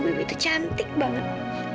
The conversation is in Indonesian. wuih itu cantik banget